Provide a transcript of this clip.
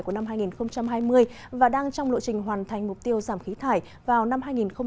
của năm hai nghìn hai mươi và đang trong lộ trình hoàn thành mục tiêu giảm khí thải vào năm hai nghìn ba mươi